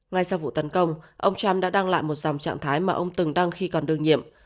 ngay sau vụ tấn công ông trump đã đăng lại một dòng trạng thái mà ông từng đăng khi còn đương nhiệm